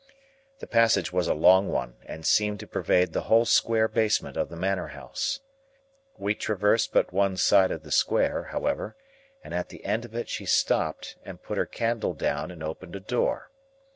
The passage was a long one, and seemed to pervade the whole square basement of the Manor House. We traversed but one side of the square, however, and at the end of it she stopped, and put her candle down and opened a door.